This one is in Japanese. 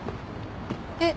えっ。